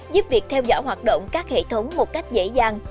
giúp việc theo dõi hoạt động các hệ thống một cách dễ dàng